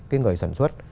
cái người sản xuất